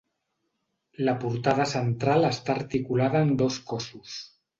La portada central està articulada en dos cossos.